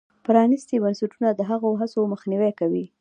پرانیستي بنسټونه د هغو هڅو مخنیوی کوي.